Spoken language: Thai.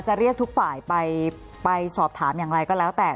เรียกทุกฝ่ายไปสอบถามอย่างไรก็แล้วแต่